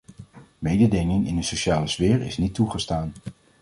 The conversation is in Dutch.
Mededinging in de sociale sfeer is niet toegestaan.